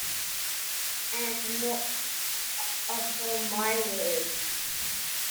And not upon my words.